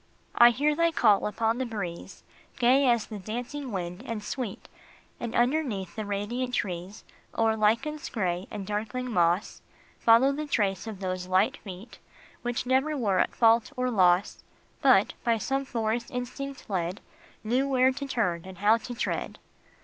HELEN. 233 I hear thy call upon the breeze Gay as the dancing wind, and sweet, And underneath the radiant trees, O er lichens gray and darkling moss, Follow the trace of those light feet Which never were at fault or loss, But, by some forest instinct led, Knew where to turn and how to tread.